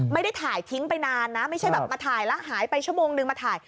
ไม่ได้ถ่ายทิ้งไปนานนะไม่ใช่แบบมาถ่ายแล้วหายไปชั่วโมงนึงมาถ่าย